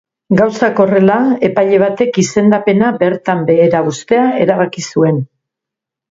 Gauzak horrela, epaile batek izendapena bertan behera uztea erabaki zuen.